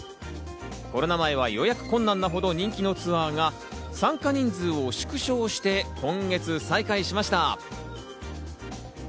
コロナ前は予約困難なほど人気のツアーが参加人数を縮小して今月再開しました。